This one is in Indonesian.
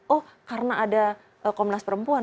oh karena ada komnas perempuan